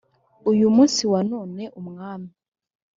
uyu munsi wa none umwami